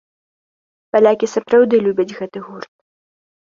Палякі сапраўды любяць гэты гурт.